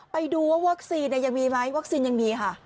ไปดูว่าวัคซีนยังมีไหมวัคซีนยังมีค่ะ